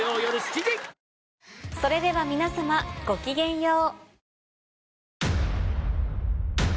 それでは皆さまごきげんよう。